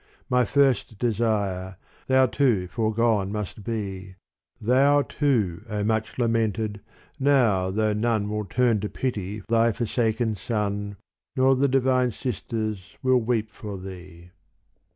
My first desire, thou too forgone must be, Thou too O much lamented now though none Will turn to pity thy forsaken son. Nor the divine sisters will weep for thee.